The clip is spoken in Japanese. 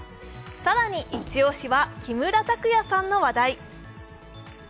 更に、イチオシは木村拓也さんの話題。